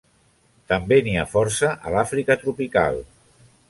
També n'hi ha força a l'Àfrica tropical.